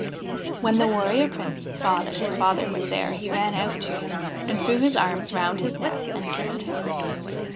When the Warrior Prince saw that his father was there he ran out to him and threw his arms round his neck and kissed him.